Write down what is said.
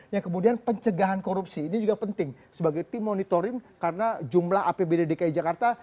yang kemudian pencegahan korupsi ini juga penting sebagai tim monitoring karena jumlah apbd dki jakarta